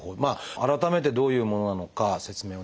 改めてどういうものなのか説明をお願いできますか？